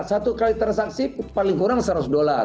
satu kali transaksi paling kurang seratus dolar